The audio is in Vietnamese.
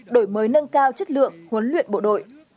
đổi mới nâng cao chất lượng huấn luyện bộ đội